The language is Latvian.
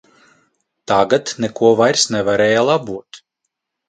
Tagad neko vairs nevarēja labot.